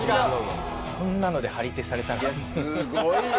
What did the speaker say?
すごいよ。